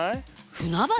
船橋？